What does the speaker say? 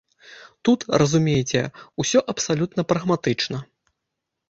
Тут, разумееце, усё абсалютна прагматычна.